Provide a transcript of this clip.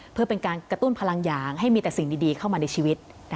เพื่อเป็นการกระตุ้นพลังอย่างให้มีแต่สิ่งดีเข้ามาในชีวิต